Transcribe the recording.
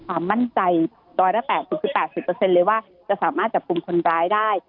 ความมั่นใจ๑๘๐๘๐เลยว่าจะสามารถจับคุมคนร้ายได้